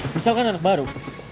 misalkan anak baru